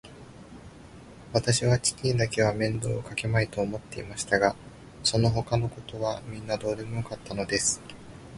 わたしは父にだけは面倒をかけまいと思っていましたが、そのほかのことはみんなどうでもよかったのです。